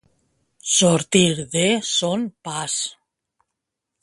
Sortir de son pas.